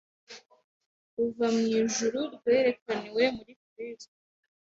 ruva mu ijuru rwerekaniwe muri Kristo.